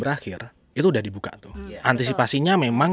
aku juga cukup lama dua ribu delapan dua ribu delapan belas dua ribu sembilan belas ya